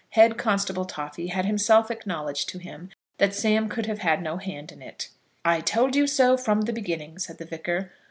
Head Constable Toffy had himself acknowledged to him that Sam could have had no hand in it. "I told you so from the beginning," said the Vicar.